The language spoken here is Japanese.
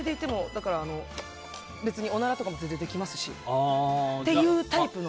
だから、別におならとかも全然できますしっていうタイプの。